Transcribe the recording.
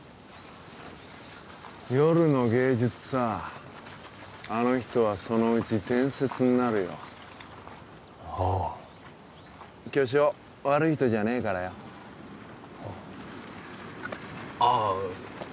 夜の芸術さあの人はそのうち伝説になるよはあ巨匠悪い人じゃねえからよはあああ